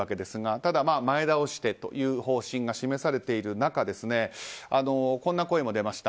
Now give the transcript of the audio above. ただ、前倒してという方針が示されている中こんな声も出ました。